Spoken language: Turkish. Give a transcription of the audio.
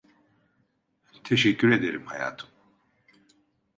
Teşekkür ederim hayatım.